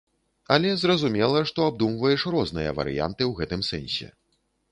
Але зразумела, што абдумваеш розныя варыянты ў гэтым сэнсе.